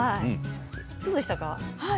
どうでしたか？